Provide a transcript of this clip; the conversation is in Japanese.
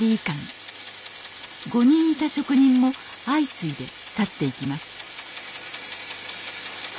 ５人いた職人も相次いで去っていきます